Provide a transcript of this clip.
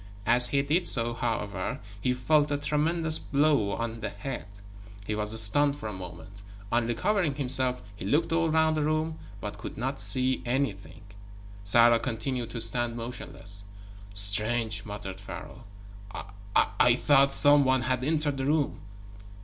As he did so, however, he felt a tremendous blow on the head. He was stunned for a moment. On recovering himself he looked all round the room, but could see nothing. Sarah continued to stand motionless. "Strange," muttered Pharaoh. "I I thought some one had entered the room."